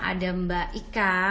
ada mbak ika